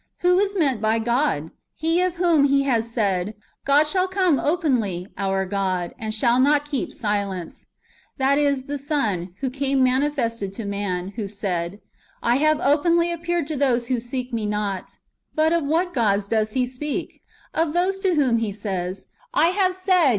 ^ Who is meant by God? He of whom He has said, " God shall come openly, our God, and shall not keep silence ;"^ that is, the Son, who came manifested to men, who said, " I have openly appeared to those who seek me not." "' But of what gods [does he speak] ? [Of those] to whom He says, "I have said.